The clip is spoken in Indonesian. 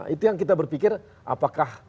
itu yang kita berpikir apakah